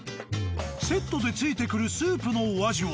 セットで付いてくるスープのお味は？